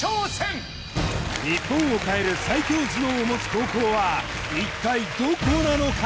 日本を変える最強頭脳を持つ高校は一体どこなのか？